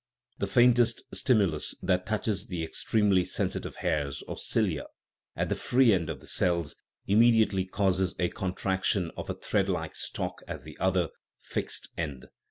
The faintest stimulus that touches the extremely sensitive hairs, or cilia, at the free end of the cells, immediately causes a contraction of a thread like stalk at the other, fixed end.